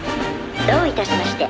「どういたしまして」